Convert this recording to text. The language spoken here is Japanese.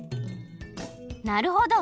なるほど。